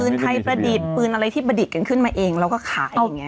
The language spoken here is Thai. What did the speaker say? ไทยประดิษฐ์ปืนอะไรที่ประดิษฐ์กันขึ้นมาเองแล้วก็ขายอย่างนี้